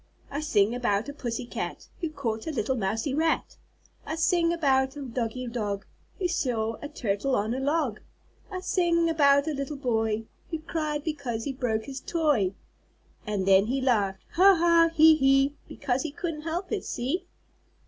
I sing about a pussy cat, Who caught a little mousie rat. I sing about a doggie dog, Who saw a turtle on a log. I sing about a little boy, Who cried because he broke his toy. And then he laughed, 'Ha! Ha! He! He!' Because he couldn't help it; see?"